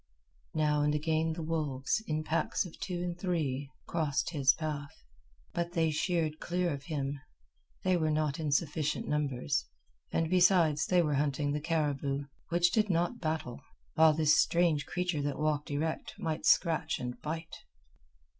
Now and again the wolves, in packs of two and three, crossed his path. But they sheered clear of him. They were not in sufficient numbers, and besides they were hunting the caribou, which did not battle, while this strange creature that walked erect might scratch and bite.